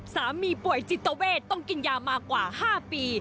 สามีป่วยจิตเวทต้องกินยามากว่า๕ปี